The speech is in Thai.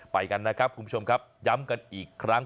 ไปกันนะครับคุณผู้ชมครับย้ำกันอีกครั้ง